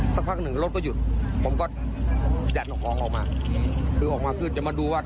สักพักหนึ่งรถก็หยุดผมก็ดันเอาของออกมาคือออกมาคือจะมาดูว่า